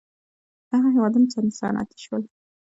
هغه هېوادونه چې صنعتي شول.